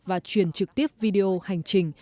và truyền trực tiếp video hành trình